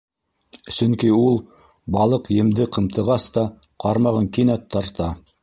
Сөнки ул, балыҡ емде ҡымтығас та, ҡармағын кинәт тарта.